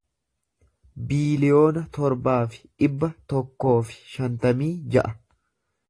biiliyoona torbaa fi dhibba tokkoo fi shantamii ja'a